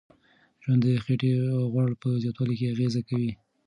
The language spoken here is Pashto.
ژوند د خېټې غوړ په زیاتوالي اغیز کوي.